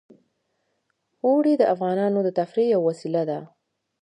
اوړي د افغانانو د تفریح یوه وسیله ده.